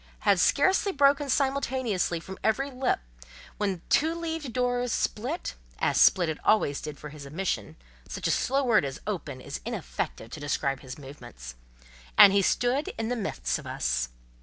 had scarcely broken simultaneously from every lip, when the two leaved door split (as split it always did for his admission—such a slow word as "open" is inefficient to describe his movements), and he stood in the midst of us.